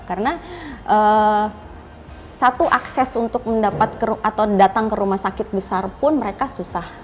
karena satu akses untuk mendapat atau datang ke rumah sakit besar pun mereka susah